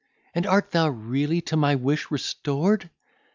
And art thou really to my wish restored?